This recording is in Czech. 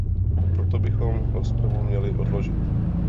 Proto bychom rozpravu měli odložit.